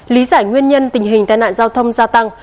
lý giải nguyên nhân tình hình tai nạn giao thông gia tăng